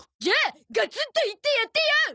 じゃあガツンと言ってやってよ！